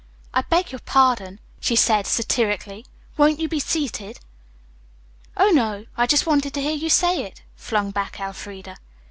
"I beg your pardon," she said satirically. "Won't you be seated?" "Oh, no, I just wanted to hear you say it," flung back Elfreda.